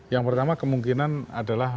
yang pertama kemungkinan adalah